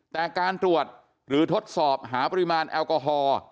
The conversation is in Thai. แต่การตรวจหรือทดสอบหาปริมาณแอลกอฮอล์